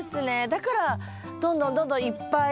だからどんどんどんどんいっぱい。